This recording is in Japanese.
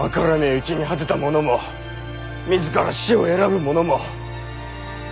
うちに果てたものも自ら死を選ぶものも。